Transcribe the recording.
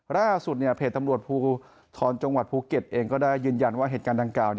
ล่าสุดเพจตำรวจภูทรจังหวัดภูเก็ตเองก็ได้ยืนยันว่าเหตุการณ์ดังกล่าว